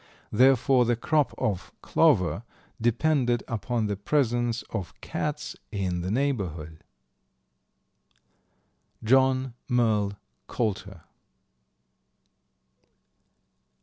Therefore, the crop of clover depended upon the presence of cats in the neighborhood. John Merle Coulter.